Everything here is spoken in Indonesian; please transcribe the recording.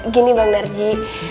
gini bang narji